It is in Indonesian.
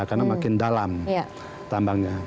karena makin dalam tambangnya